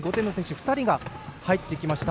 ２人が入ってきました。